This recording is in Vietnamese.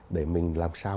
để mình làm sao